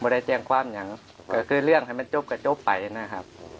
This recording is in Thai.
ได้แจ้งความอย่างก็คือเรื่องให้มันจบก็จบไปนะครับ